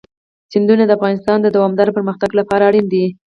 سیندونه د افغانستان د دوامداره پرمختګ لپاره اړین دي.